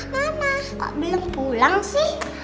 mama kok belum pulang sih